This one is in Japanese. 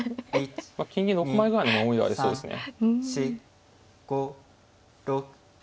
金銀６枚ぐらいの守りはありそうですね。